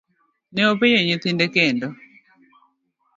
ne openjo nyithinde kendo.